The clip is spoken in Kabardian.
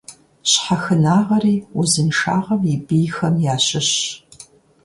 Щхьэхынагъэри узыншагъэм и бийхэм ящыщщ.